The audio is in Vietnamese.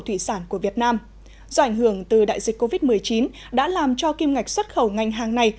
thủy sản của việt nam do ảnh hưởng từ đại dịch covid một mươi chín đã làm cho kim ngạch xuất khẩu ngành hàng này